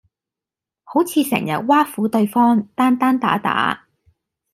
好似成日挖苦對方，單單打打